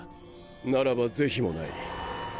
ならば是非もない。